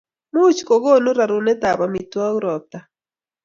much kukonu rorunetab amitwogik robta